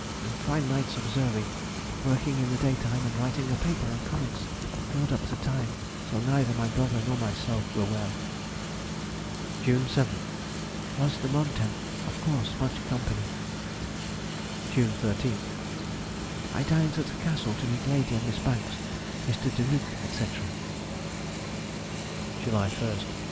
In fine nights observing; working in the daytime, and writing a paper on comets, filled up the time, though neither my brother nor myself were well. June 7th.—Was the Montem, of course much company. June 13th.—I dined at the Castle to meet Lady and Miss Banks, Mr. De Luc, &c. _July 1st.